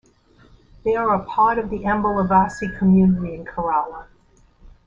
They are a part of the Ambalavasi community in Kerala.